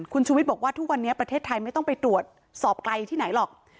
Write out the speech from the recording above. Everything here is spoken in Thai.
คุณชุวิตบอกว่าทุกวันนี้ประเทศไทยไม่ต้องไปตรวจสอบไกลที่ไหนหรอก